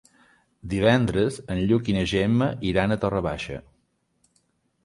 Divendres en Lluc i na Gemma iran a Torre Baixa.